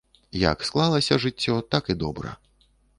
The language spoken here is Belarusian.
Як склалася жыццё, так і добра.